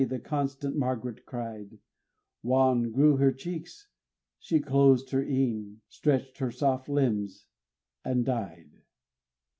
The constant Margaret cried: Wan grew her cheeks; she closed her een, Stretched her soft limbs, and died.